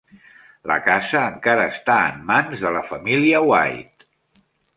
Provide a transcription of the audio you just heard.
La casa encara està en mans de la família White.